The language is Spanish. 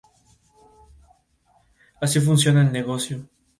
Predomina el clima marítimo.